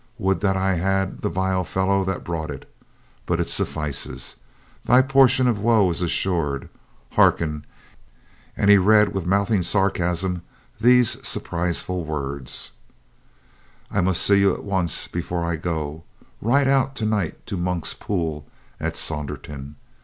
Would that I had the vile fellow that brought it. But it suffices. Thy portion of woe is assured. Harken —" and he read with mouthing sarcasm these surpriseful words : I must see you once yet before I go. Ride out to night to the Monk's pool at Saunderton.